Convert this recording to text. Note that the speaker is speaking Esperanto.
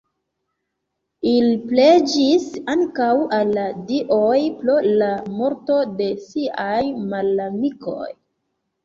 Ili preĝis ankaŭ al la dioj pro la morto de siaj malamikoj.